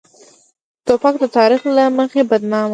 توپک د تاریخ له مخې بدنامه ده.